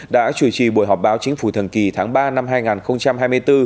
đã chủ trì buổi họp báo chính phủ thần kỳ tháng ba năm hai nghìn hai mươi bốn